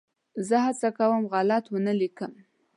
زه هڅه کوم غلط ونه ولیکم.